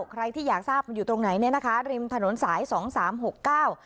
ใครที่อยากทราบมันอยู่ตรงไหนเนี่ยนะคะริมถนนสายสองสามหกเก้า